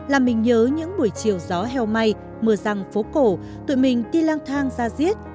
làm mình nhớ những buổi chiều gió heo may mưa răng phố cổ tụi mình đi lang thang ra riết